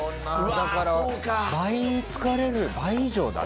「だから倍疲れる倍以上だな」